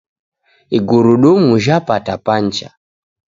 Igurudumu jhapata pancha